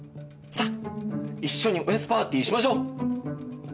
さあ一緒におやつパーティーしましょう。